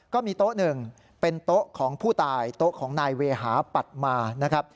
ก็มีโต๊ะหนึ่งเป็นโต๊ะของผู้ตายโต๊ะของนายเวหาปัดมานะครับ